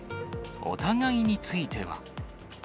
お互いについては。